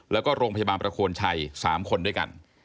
แล้วก็โรงพยาบาลประโคนชัย๓คนด้วยกัน